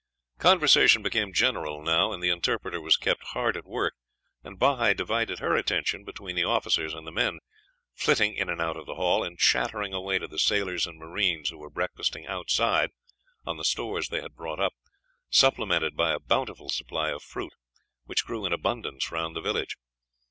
Conversation became general now, and the interpreter was kept hard at work, and Bahi divided her attention between the officers and the men, flitting in and out of the hall, and chattering away to the sailors and marines who were breakfasting outside on the stores they had brought up, supplemented by a bountiful supply of fruit, which grew in abundance round the village.